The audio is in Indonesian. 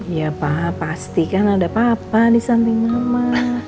iya pa pasti kan ada papa di samping mama